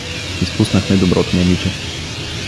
Изпуснахме доброто момиче.